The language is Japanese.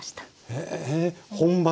へえ本場で。